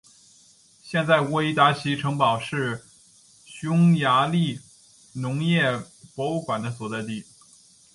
现在沃伊达奇城堡是匈牙利农业博物馆的所在地。